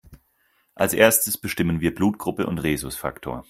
Als Erstes bestimmen wir Blutgruppe und Rhesusfaktor.